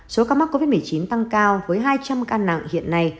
số ca mắc covid một mươi chín tăng cao với hai trăm linh ca nặng hiện nay